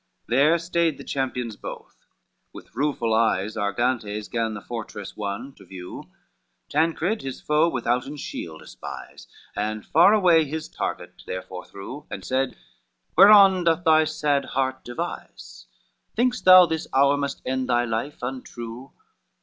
IX There stayed the champions both with rueful eyes, Argantes gan the fortress won to view; Tancred his foe withouten shield espies, And said, "Whereon doth thy sad heart devise? Think'st thou this hour must end thy life untrue?